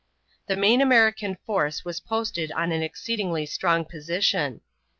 The main American force was posted in an exceedingly strong position.